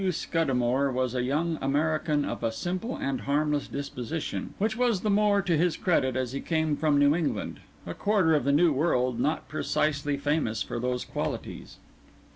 Scuddamore was a young American of a simple and harmless disposition, which was the more to his credit as he came from New England—a quarter of the New World not precisely famous for those qualities.